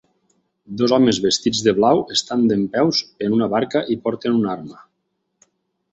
Dos homes vestits de blau estan dempeus en una barca i porten una arma.